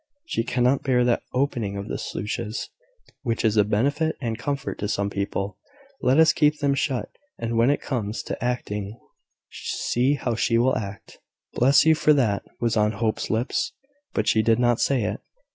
She cannot bear that opening of the sluices, which is a benefit and comfort to some people. Let us keep them shut, and when it comes to acting, see how she will act!" "Bless you for that!" was on Hope's lips; but he did not say it.